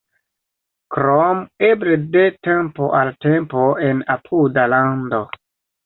Krom eble de tempo al tempo en apuda lando.